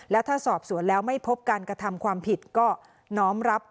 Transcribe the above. และถ้าสอบสวนแล้วไม่พบการกระทำความผิดก็น้อมรับ